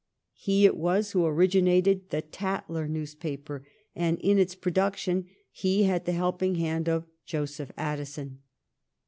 He it was who originated ' The Tatler ' newspaper, and in its production he had the helping hand of Joseph Addison.